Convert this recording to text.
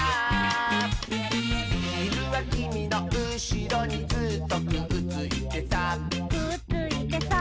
「ひるはきみのうしろにずっとくっついてさ」